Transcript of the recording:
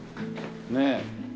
ねえ。